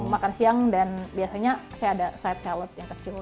makan siang dan biasanya saya ada side sallot yang kecil